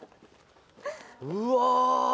うわ。